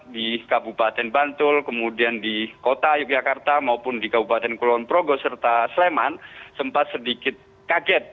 di kabupaten bantul kemudian di kota yogyakarta maupun di kabupaten kulon progo serta sleman sempat sedikit kaget